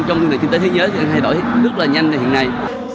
trong kinh tế thế giới hệ đổi rất là nhanh hiện nay